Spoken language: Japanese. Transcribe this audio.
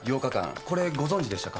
これご存じでしたか？